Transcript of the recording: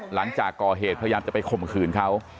หลังจากก่อเหตุพยายามจะไปข่มขืนเขา